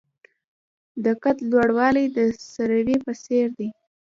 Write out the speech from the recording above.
د قد لوړوالی د سروې په څیر دی.